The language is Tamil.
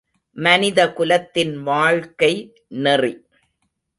மனிதகுலத்தின் வாழ்க்கை நெறி.